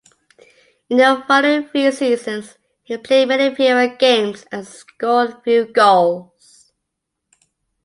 In the following three seasons he played many fewer games and scored few goals.